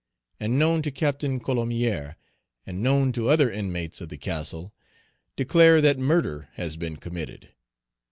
and known to Captain Colomier, and known to other inmates of the castle declare that murder has been committed.